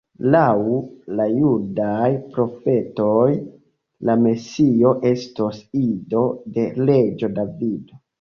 Laŭ la judaj profetoj, la Mesio estos ido de reĝo Davido.